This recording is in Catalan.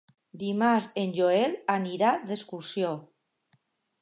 Dimarts en Joel anirà d'excursió.